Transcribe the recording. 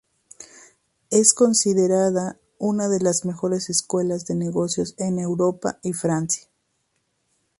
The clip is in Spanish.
Es considerada una de las mejores escuelas de negocios en Europa y Francia.